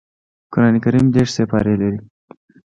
قران کريم دېرش سپاري لري